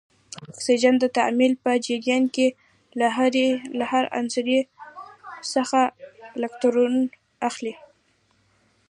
اکسیجن د تعامل په جریان کې له هر عنصر څخه الکترون اخلي.